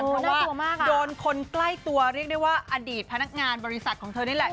เพราะว่ากลัวมากโดนคนใกล้ตัวเรียกได้ว่าอดีตพนักงานบริษัทของเธอนี่แหละ